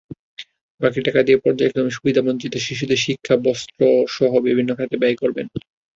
বাকি টাকা দিয়ে পর্যায়ক্রমে সুবিধাবঞ্চিত শিশুদের শিক্ষা, বস্ত্রসহ বিভিন্ন খাতে ব্যয় করবেন।